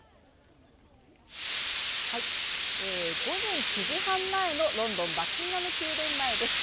午前９時半前のロンドンバッキンガム宮殿前です。